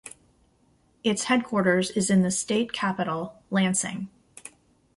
Its headquarters is in the state capital, Lansing.